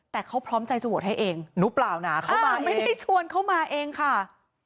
แต่เขาพร้อมใจจอหัวไทยเองนุปลาวนะไม่ได้ชวนเขามาเองค่ะ